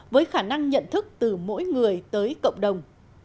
với khả năng nhận thức từ mỗi người tới cộng đồng